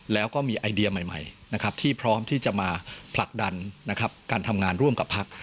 แล้วก็มีไอเดียใหม่นะครับที่พร้อมที่จะมาผลักดันการทำงานร่วมกับพัก